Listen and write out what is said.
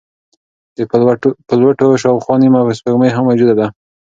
د پلوټو شاوخوا نیمه سپوږمۍ هم موجوده ده.